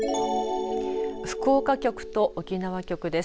福岡局と沖縄局です。